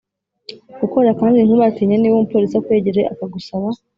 gukora kandi ntubatinye Niba umupolisi akwegereye akagusaba